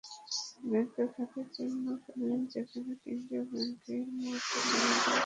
Bank খাতের জন্য যেখানে কেন্দ্রীয় ব্যাংকের মোট জনবল সাত হাজারের কাছাকাছি।